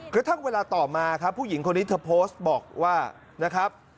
กระทั่งเวลาต่อมาครับผู้หญิงคนนี้เธอโพสต์บอกว่านะครับ